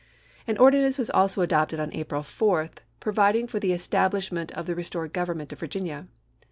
"1 An ohap.xix. ordinance was also adopted on April 4, providing 1864; for the establishment of the restored government of Virginia.